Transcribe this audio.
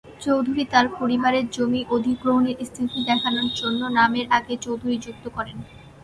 চৌধুরী তার পরিবারের জমি অধিগ্রহণের স্থিতি দেখানোর জন্য নামের আগে চৌধুরী যুক্ত করেন।